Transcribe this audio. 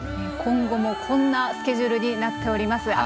こんなスケジュールになっております。